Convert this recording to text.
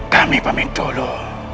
kami pamit dulu